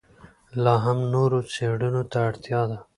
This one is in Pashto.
لا هم نورو څېړنو ته اړتیا ده.